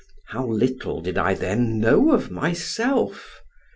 How little did I then know of myself!